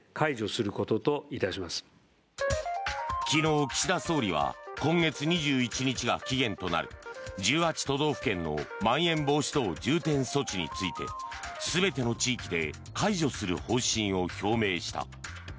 昨日、岸田総理は今月２１日が期限となる１８都道府県のまん延防止等重点措置について全ての地域で解除する方針を表明した。